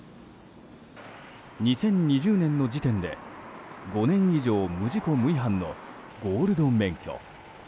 ２０２０年の時点で５年以上無事故無違反のゴールド免許。